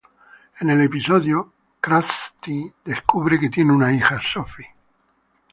En el episodio, Krusty descubre que tiene una hija, Sophie.